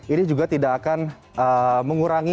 ini juga tidak akan mengurangi